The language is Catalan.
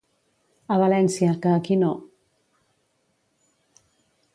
A València, que aquí no.